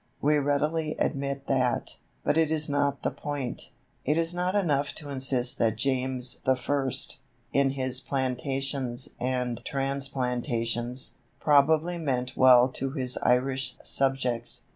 We readily admit that, but it is not the point. It is not enough to insist that James I., in his plantations and transplantations, probably meant well to his Irish subjects.